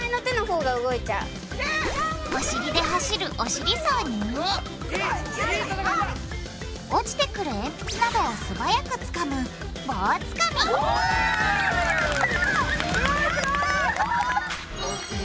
お尻で走る「お尻走」に落ちてくるえんぴつなどを素早くつかむ「棒つかみ」やった！